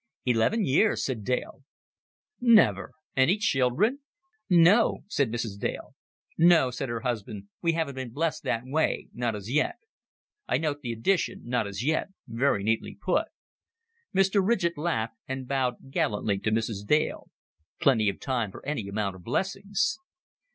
"Eleven years," said Dale. "Never! Any children?" "No," said Mrs. Dale. "No," said her husband. "We haven't been blessed that way not as yet." "I note the addition. Not as yet! Very neatly put." Mr. Ridgett laughed, and bowed gallantly to Mrs. Dale. "Plenty of time for any amount of blessings."